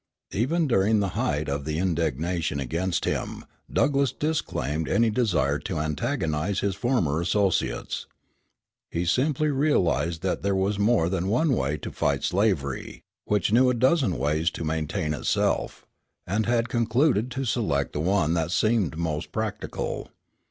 Even during the height of the indignation against him Douglass disclaimed any desire to antagonize his former associates. He simply realized that there was more than one way to fight slavery, which knew a dozen ways to maintain itself, and had concluded to select the one that seemed most practical.